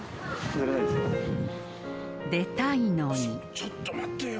ちょっと待ってよ。